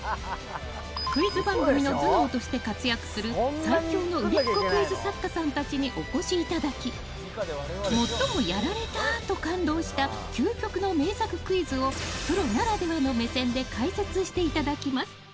クイズ番組の頭脳として活躍する最強の売れっ子クイズ作家さんたちにお越しいただき最もやられた！と感動した究極の名作クイズをプロならではの目線で解説していただきます。